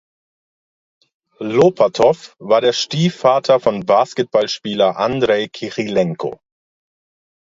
Lopatow war der Stiefvater von Basketballspieler Andrei Kirilenko.